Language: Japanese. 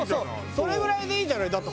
それぐらいでいいじゃないだって